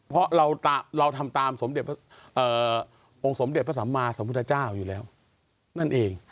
เพราะเราทำตามองค์สมเด็จพระสัมมาสัมพุทธเจ้าอยู่แล้วนั่นเอง